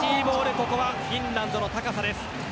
ここはフィンランドの高さです。